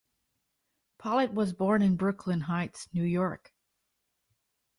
Pollitt was born in Brooklyn Heights, New York.